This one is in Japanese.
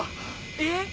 えっ⁉